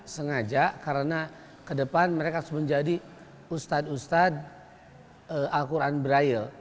sengaja karena ke depan mereka harus menjadi ustadz ustadz al quran brail